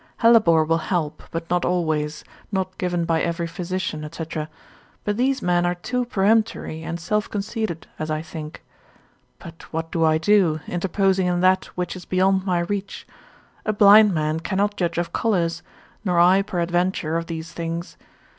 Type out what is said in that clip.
Hellebore will help, but not alway, not given by every physician, &c. but these men are too peremptory and self conceited as I think. But what do I do, interposing in that which is beyond my reach? A blind man cannot judge of colours, nor I peradventure of these things.